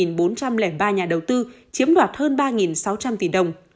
bốn trăm linh ba nhà đầu tư chiếm đoạt hơn ba sáu trăm linh tỷ đồng